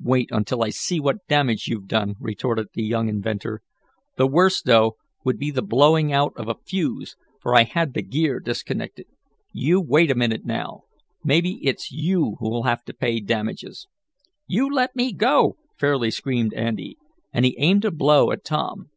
"Wait until I see what damage you've done," retorted the young inventor. "The worst, though, would be the blowing out of a fuse, for I had the gear disconnected. You wait a minute now. Maybe it's you who'll have to pay damages." "You let me go!" fairly screamed Andy, and he aimed a blow at Tom.